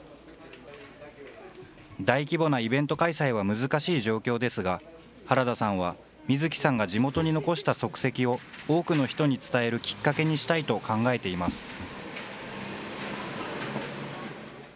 大規模なイベント開催は難しい状況ですが、原田さんは水木さんが地元に残した足跡を、多くの人に伝えるきっかけにしたいと考えています。